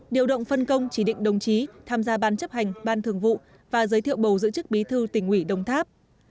điều động phân công chỉ định đồng chí tham gia bán chấp hành ban thường vụ và giới thiệu bầu dự chức bí thư tỉnh ủy đông tháp